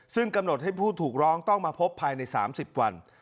ซึ่งกำหนดให้ผู้ถูกร้องต้องมาพบภายใน๓๐วัน